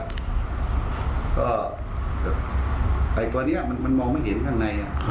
ก็ไอ้ตัวนี้มันมองไม่เห็นข้างใน